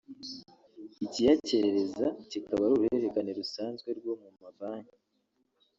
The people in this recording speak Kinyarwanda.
ikiyakerereza kikaba uruhererekane rusanzwe rwo mu mabanki